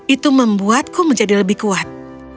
itu membuatku menjadi lebih kuat